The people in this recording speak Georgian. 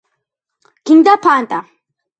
გინდა ფანტა